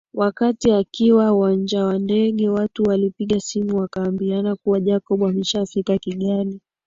Wakati akiwa uwanja wa ndege watu walipiga simu wakiambiana kuwa Jacob ameshafika Kigali